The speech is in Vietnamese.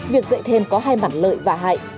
việc dạy thêm có hai mặt lợi và hại